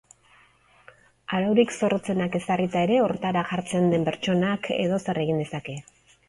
Araurik zorrotzenak ezarrita ere, hortara jartzen den pertsonak edozer egin dezake.